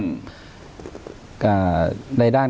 ในด้านของความคิดเห็น